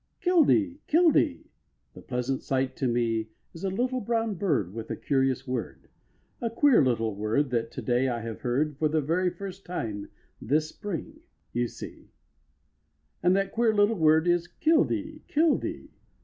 "Killdee, killdee." The pleasantest sight to me Is a little brown bird with a curious word; A queer little word that to day I have heard For the very first time this spring, you see, And that queer little word is "Killdee, killdee."